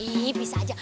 ih bisa aja